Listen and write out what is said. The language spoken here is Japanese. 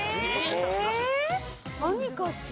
何かしら？